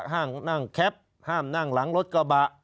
นั่งแคปห้ามนั่งหลังรถกระบะ